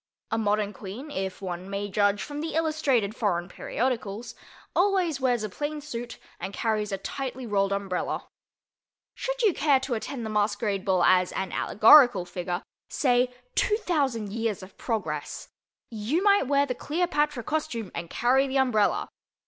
A modern Queen (if one may judge from the illustrated foreign periodicals) always wears a plain suit and carries a tightly rolled umbrella. Should you care to attend the masquerade as an allegorical figure—say "2000 Years of Progress"—you might wear the Cleopatra costume and carry the umbrella.